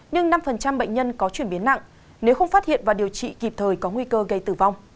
nhưng năm bệnh nhân có chuyển biến nặng nếu không phát hiện và điều trị kịp thời có nguy cơ gây tử vong